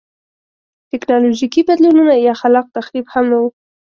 ټکنالوژیکي بدلونونه یا خلاق تخریب هم نه و.